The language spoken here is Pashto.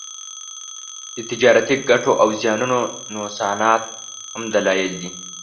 د تجارتي ګټو او زیانونو نوسانات هم دلایل دي